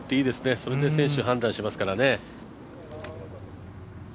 それで選手判断しますからね。